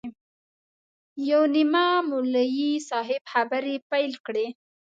یو نیمه مولوي صاحب خبرې پیل کړې.